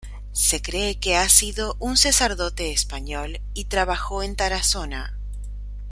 Se cree que ha sido un sacerdote español y trabajó en Tarazona.